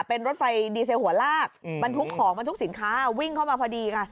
เป็นรถไฟดีเซลหัวลากบรรทุกของบรรทุกสินค้าวิ่งเข้ามาพอดีค่ะ